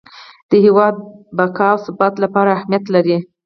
د هیواد بقا او ثبات لپاره اهمیت لري.